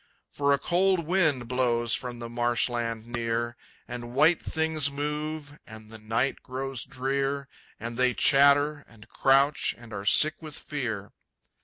For a cold wind blows from the marshland near, And white things move, and the night grows drear, And they chatter and crouch and are sick with fear.